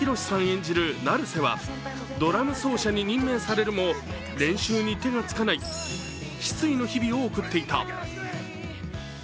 演じる成瀬はドラム奏者に任命されるも、練習が手につかない失意の日々を送っていた。